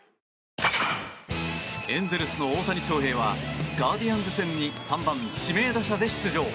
エンゼルスの大谷翔平はガーディアンズ戦に３番指名打者で出場。